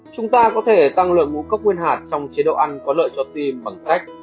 chúng ta có thể tăng lượng ngũ cốc nguyên hạt trong chế độ ăn có lợi cho tim bằng cách